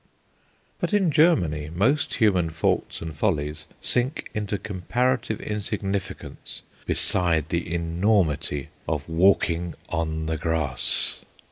But in Germany most human faults and follies sink into comparative insignificance beside the enormity of walking on the grass.